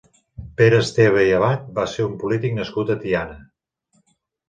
Pere Esteve i Abad va ser un polític nascut a Tiana.